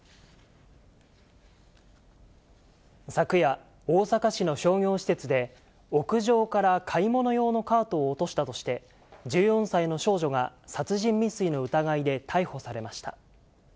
昨夜、大阪市の商業施設で、屋上から買い物用のカートを落としたとして、１４歳の少女が殺人未遂の疑いで逮捕されました。